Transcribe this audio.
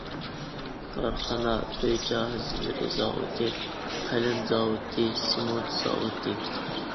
كارخانا ئۆي جاھازلىرى زاۋۇتى قەلەم زاۋۇتى، سېمونت زاۋۇتى.